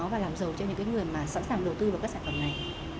và làm giàu cho những cái người mà sẵn sàng đầu tư vào các sản phẩm này